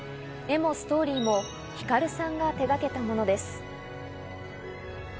絵もストーリーもひかるさんが手がけたものです。